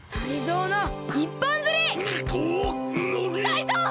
タイゾウ！